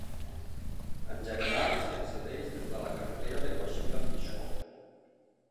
En general, s'hi accedeix des de la carretera de Wasilla-Fishhook.